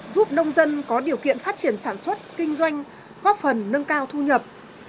giúp nông dân có điều kiện phát triển sản xuất kinh doanh góp phần nâng cao thu nhập